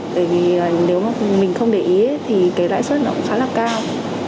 bởi vì nếu mà mình không để ý thì cái lãi suất nó cũng khá là cao